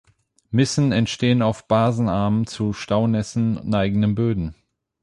Missen entstehen auf basenarmen, zu Staunässe neigenden Böden.